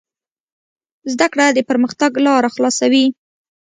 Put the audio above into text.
زده کړه د پرمختګ لاره خلاصوي.